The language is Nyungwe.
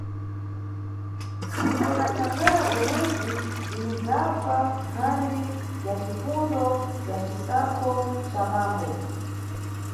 Ndipo na thangwera bzomwebzi tinidzabva nkhani ya cifundo ya cisankho ca mambo.